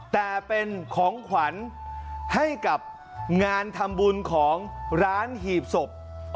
แต่เป็นของขวัญให้กับงานทำบุญของร้านหีบศพ